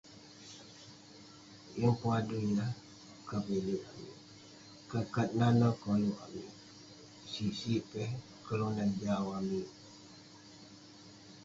Yeng adui yah kevilik amik. Kat nan nen koluk amik, sik sik peh kelunan jau amik.